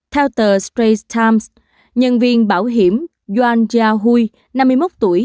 theo tờ straits times nhân viên bảo hiểm yuan jiahui năm mươi một tuổi